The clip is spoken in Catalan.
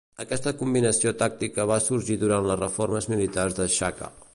Aquesta combinació tàctica va sorgir durant les reformes militars de Shaka.